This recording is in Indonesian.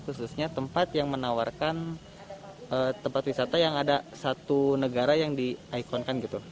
khususnya tempat yang menawarkan tempat wisata yang ada satu negara yang di ikon kan gitu